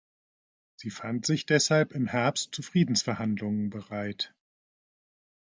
Sie fand sich deshalb im Herbst zu Friedensverhandlungen bereit.